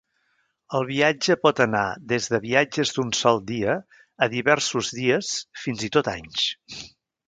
El viatge pot anar des de viatges d'un sol dia a diversos dies, fins i tot anys.